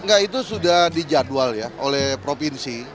enggak itu sudah dijadwal ya oleh provinsi